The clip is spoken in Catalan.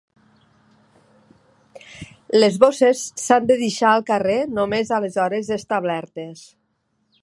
Les bosses s'han de deixar al carrer només a les hores establertes.